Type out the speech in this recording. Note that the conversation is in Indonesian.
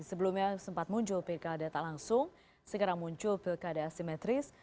sebelumnya sempat muncul pilkada tak langsung sekarang muncul pilkada asimetris